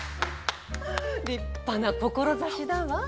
立派な志だわ。